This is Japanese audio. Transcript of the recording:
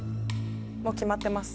もう決まってます。